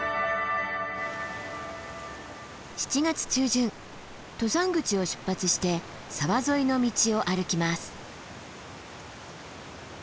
７月中旬登山口を出発して沢沿いの道を歩きます。